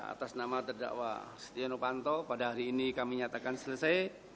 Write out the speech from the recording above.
atas nama terdakwa stiano fanto pada hari ini kami nyatakan selesai